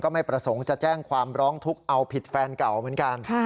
ไม่ประสงค์จะแจ้งความร้องทุกข์เอาผิดแฟนเก่าเหมือนกัน